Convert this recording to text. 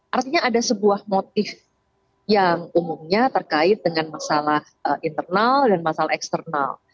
artinya ada sebuah motif yang umumnya terkait dengan masalah internal dan masalah eksternal